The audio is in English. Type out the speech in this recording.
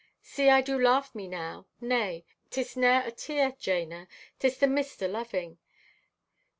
See, I do laugh me now—nay, 'tis ne'er a tear, Jana, 'tis the mist o' loving!